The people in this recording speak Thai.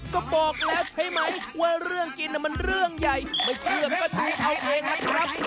ก็บอกแล้วใช่ไหมว่าเรื่องจีนมันเรื่องใหญ่